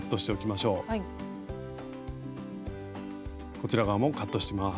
こちら側もカットします。